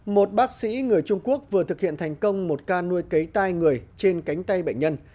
một bác sĩ người trung quốc vừa thực hiện thành công một ca nuôi cấy tai người trên cánh tay bệnh nhân